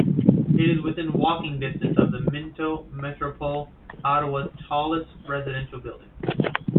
It is within walking distance of the Minto Metropole, Ottawa's tallest residential building.